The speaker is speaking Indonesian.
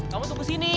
kamu tunggu sini